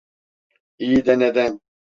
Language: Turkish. İyi de neden?